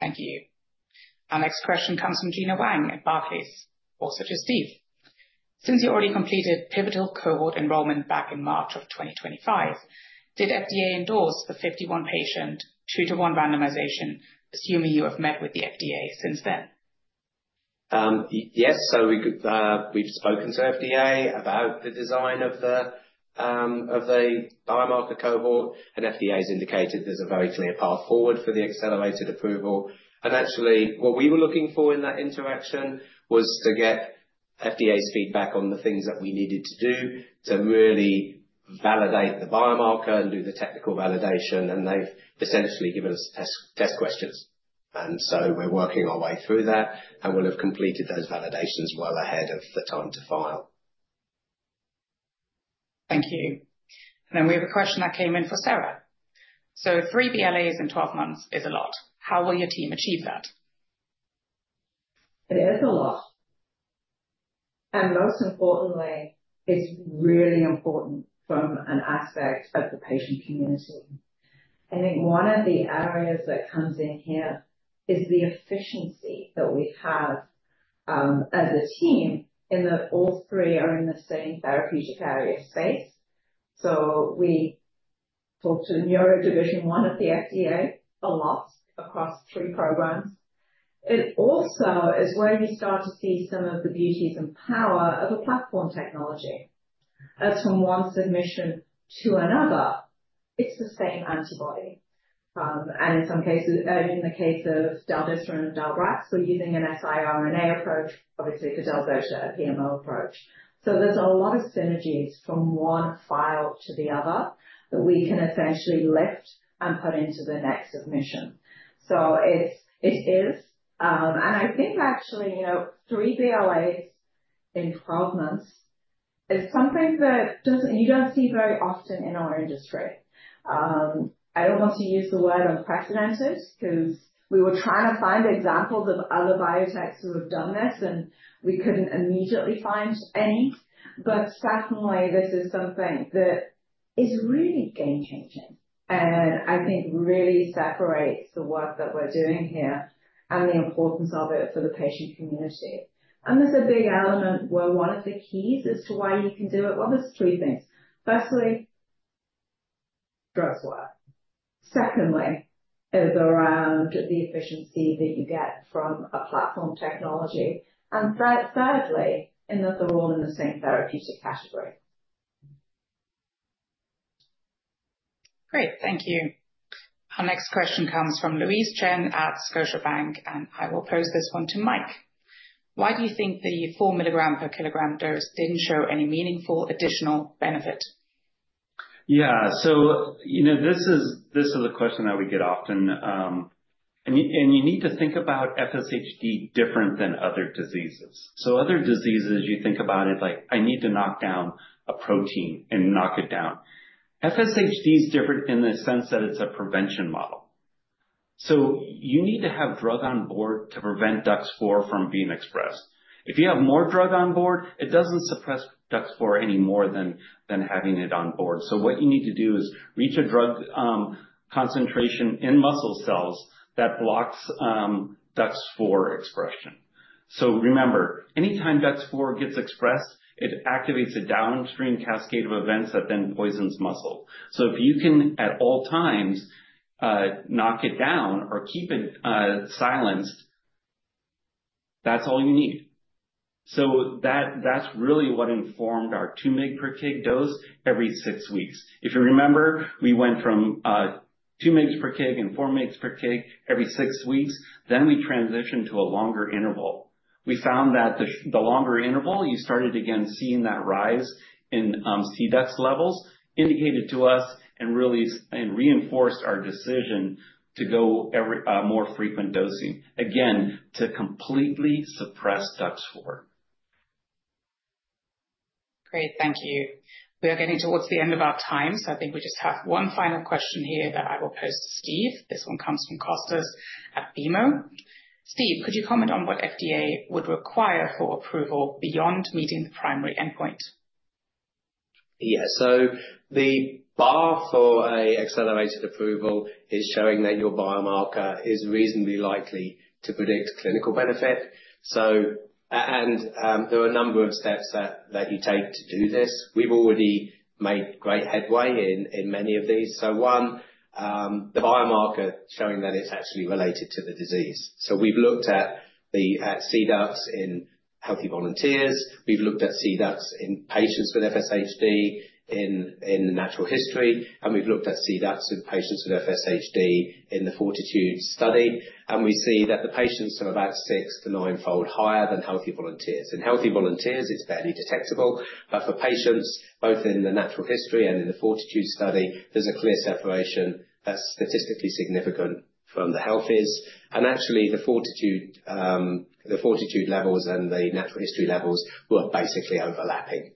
Thank you. Our next question comes from Gina Wang at Barclays. Also to Steve. "Since you already completed pivotal cohort enrollment back in March of 2025, did FDA endorse the 51-patient two-to-one randomization, assuming you have met with the FDA since then?" Yes. We have spoken to FDA about the design of the biomarker cohort, and FDA has indicated there is a very clear path forward for the accelerated approval. Actually, what we were looking for in that interaction was to get FDA's feedback on the things that we needed to do to really validate the biomarker and do the technical validation. They have essentially given us test questions. We are working our way through that, and we will have completed those validations well ahead of the time to file. Thank you. We have a question that came in for Sarah. "So three BLAs in 12 months is a lot. How will your team achieve that?" It is a lot. Most importantly, it's really important from an aspect of the patient community. I think one of the areas that comes in here is the efficiency that we have as a team in that all three are in the same therapeutic area space. We talk to Neurodivision One at the FDA a lot across three programs. It also is where you start to see some of the beauties and power of a platform technology. As from one submission to another, it's the same antibody. In some cases, in the case of Delvisra and Delvotax, we're using an siRNA approach, obviously for Delvotax, a PMO approach. There are a lot of synergies from one file to the other that we can essentially lift and put into the next submission. It is. I think actually three BLAs in 12 months is something that you do not see very often in our industry. I do not want to use the word unprecedented because we were trying to find examples of other biotechs who have done this, and we could not immediately find any. Certainly, this is something that is really game-changing and I think really separates the work that we are doing here and the importance of it for the patient community. There is a big element where one of the keys as to why you can do it, well, there are three things. Firstly, drugs work. Secondly, it is around the efficiency that you get from a platform technology. Thirdly, in that they are all in the same therapeutic category. Great. Thank you. Our next question comes from Louise Chen at Scotiabank, and I will pose this one to Mike. Why do you think the four milligram per kilogram dose didn't show any meaningful additional benefit?" Yeah. This is a question that we get often. You need to think about FSHD different than other diseases. Other diseases, you think about it like, "I need to knock down a protein and knock it down".FSHD is different in the sense that it's a prevention model. You need to have drug on board to prevent DUX4 from being expressed. If you have more drug on board, it doesn't suppress DUX4 any more than having it on board. What you need to do is reach a drug concentration in muscle cells that blocks DUX4 expression. Remember, anytime DUX4 gets expressed, it activates a downstream cascade of events that then poisons muscle. If you can at all times knock it down or keep it silenced, that's all you need. That's really what informed our 2 mg per kg dose every six weeks. If you remember, we went from 2 mg per kg and 4 mg per kg every six weeks, then we transitioned to a longer interval. We found that with the longer interval, you started again seeing that rise in CDUX levels, which indicated to us and really reinforced our decision to go with more frequent dosing, again, to completely suppress DUX4. Great. Thank you. We are getting towards the end of our time, so I think we just have one final question here that I will pose to Steve. This one comes from Kostas at Beamo. "Steve, could you comment on what FDA would require for approval beyond meeting the primary endpoint?" Yeah. The bar for an accelerated approval is showing that your biomarker is reasonably likely to predict clinical benefit. There are a number of steps that you take to do this. We've already made great headway in many of these. One, the biomarker showing that it's actually related to the disease. We've looked at CDUX in healthy volunteers. We've looked at CDUX in patients with FSHD in the natural history. We've looked at CDUX in patients with FSHD in the Fortitude study. We see that the patients are about six- to nine-fold higher than healthy volunteers. In healthy volunteers, it's barely detectable. For patients, both in the natural history and in the Fortitude study, there's a clear separation that's statistically significant from the healthies. Actually, the Fortitude levels and the natural history levels were basically overlapping.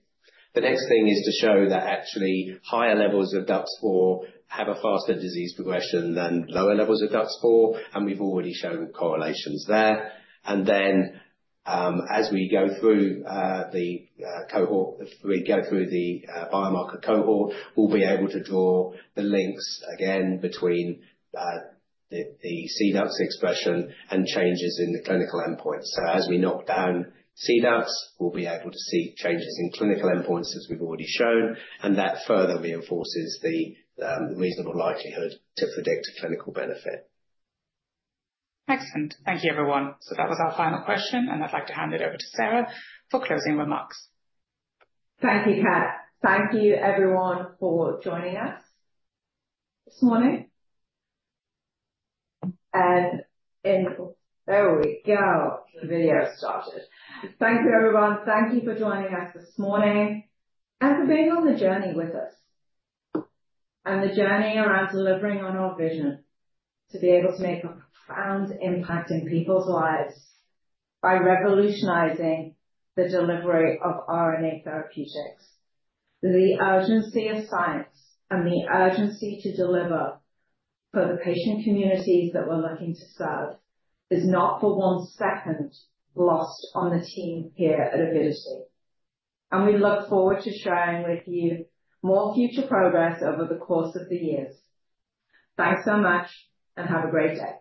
The next thing is to show that actually higher levels of DUX4 have a faster disease progression than lower levels of DUX4. We have already shown correlations there. As we go through the cohort, we go through the biomarker cohort, we will be able to draw the links again between the CDUX expression and changes in the clinical endpoints. As we knock down CDUX, we will be able to see changes in clinical endpoints as we have already shown. That further reinforces the reasonable likelihood to predict clinical benefit. Excellent. Thank you, everyone. That was our final question. I would like to hand it over to Sarah for closing remarks. Thank you, Kat. Thank you, everyone, for joining us this morning. There we go. The video started. Thank you, everyone. Thank you for joining us this morning and for being on the journey with us and the journey around delivering on our vision to be able to make a profound impact in people's lives by revolutionizing the delivery of RNA therapeutics. The urgency of science and the urgency to deliver for the patient communities that we're looking to serve is not for one second lost on the team here at Avidity. We look forward to sharing with you more future progress over the course of the years. Thanks so much and have a great day.